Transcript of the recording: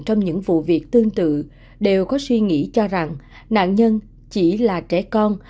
trong những vụ việc tương tự đều có suy nghĩ cho rằng nạn nhân chỉ là trẻ con